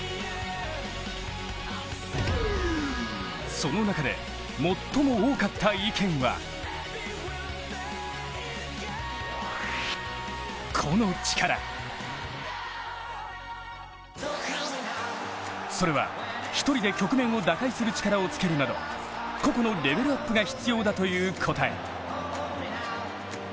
その中で、最も多かった意見はそれは、１人で局面を打開する力をつけるなど個々のレベルアップが必要だという答え。